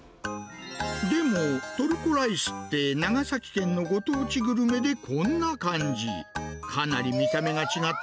でも、トルコライスって長崎県のご当地グルメで、こんな感じ。